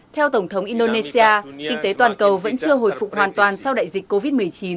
theo tổng thống indonesia kinh tế toàn cầu vẫn chưa hồi phục hoàn toàn sau đại dịch covid một mươi chín